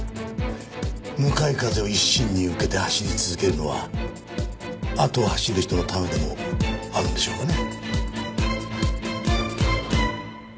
向かい風を一身に受けて走り続けるのはあとを走る人のためでもあるんでしょうかね？